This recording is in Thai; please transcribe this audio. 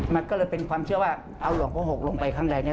มันก็เลยเป็นความเชื่อว่าเอาหลวงพ่อหกลงไปข้างในเนี่ย